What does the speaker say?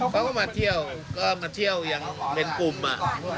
เขาก็มาเที่ยวก็มาเที่ยวยังเป็นกลุ่มอ่ะ